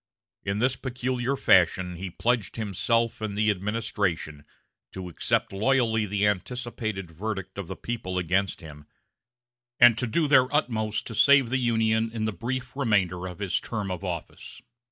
In this peculiar fashion he pledged himself and the administration to accept loyally the anticipated verdict of the people against him, and to do their utmost to save the Union in the brief remainder of his term of office.